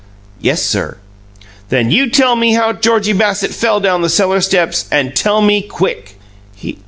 "Yes, sir." "Then you tell me how Georgie Bassett fell down the cellar steps and tell me quick!"